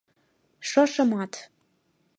Шошымат